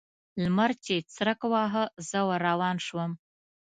لمر چې څرک واهه؛ زه ور روان شوم.